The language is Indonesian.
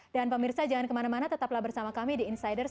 dan pak mirsa jangan kemana mana tetaplah bersama kami di insiders